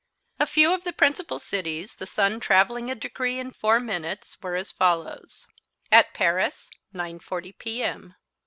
A few of the principal cities, the sun travelling a degree in four minutes were as follows: At Paris, 9:40 P.M.